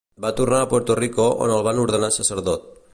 Va tornar a Puerto Rico on el van ordenar sacerdot.